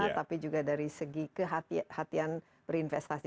tapi juga dari segi kehatian berinvestasi